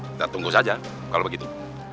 kita tunggu saja kalau begitu